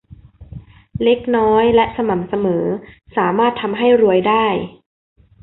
เล็กน้อยและสม่ำเสมอสามารถทำให้รวยได้